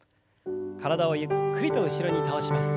体をゆっくりと後ろに倒します。